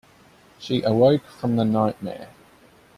She awoke from the nightmare.